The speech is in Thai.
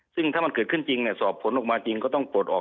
ซึ่งถ้ามันเกิดขึ้นจริงสอบผลออกมาจริงก็ต้องปลดออก